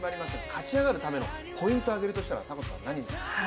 勝ち上がるためのポイントを挙げるとしたら何になりますか？